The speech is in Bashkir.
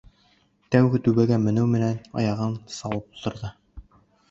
Тәүге түбәгә менеү менән аяғын салып ултырҙы.